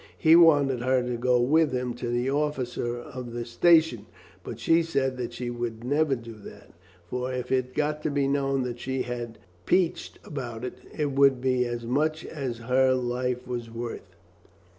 He wanted her to go with him to the officer of the station, but she said that she would never do that, for if it got to be known that she had peached about it, it would be as much as her life was worth.